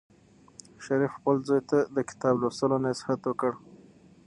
شریف خپل زوی ته د کتاب لوستلو نصیحت وکړ.